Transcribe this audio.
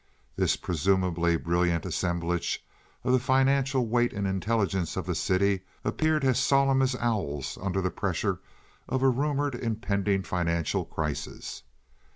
This presumably brilliant assemblage of the financial weight and intelligence of the city appeared as solemn as owls under the pressure of a rumored impending financial crisis.